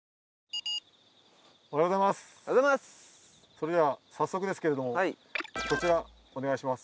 それでは早速ですけれども海舛お願いします。